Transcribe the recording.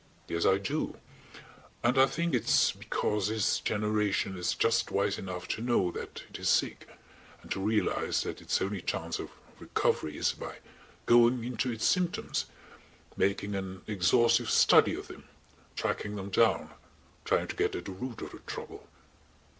"Yes, I do. And I think it's because this generation is just wise enough to know that it is sick and to realize that its only chance of recovery is by going into its symptoms–making an exhaustive study of them–tracking them down–trying to get at the root of the trouble."